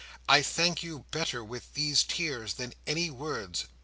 I thank you better with these tears than any words.